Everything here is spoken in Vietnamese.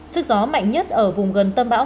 sức gió mạnh nhất ở vùng gần tâm bão